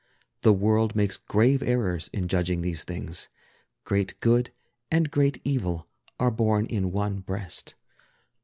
The world makes grave errors in judging these things, Great good and great evil are born in one breast.